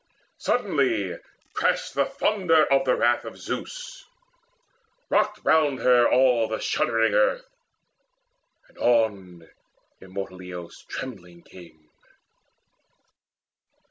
Suddenly crashed the thunder of the wrath Of Zeus; rocked round her all the shuddering earth, And on immortal Eos trembling came.